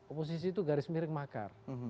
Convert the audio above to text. oposisi itu garis miring makar